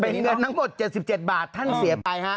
เป็นเงินทั้งหมด๗๗บาทท่านเสียไปฮะ